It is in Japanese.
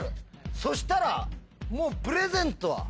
そしたらもうプレゼントは。